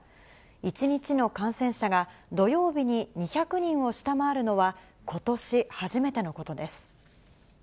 １日の感染者が、土曜日に２００人を下回るのはことし初めてのことです。